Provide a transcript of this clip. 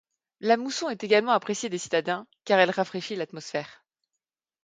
La mousson est également appréciée des citadins car elle rafraîchit l'atmosphère.